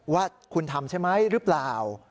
ว่าคุณทำใช่ไหมหรือเปล่า